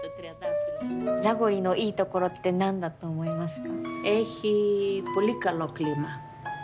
ザゴリのいいところって何だと思いますか？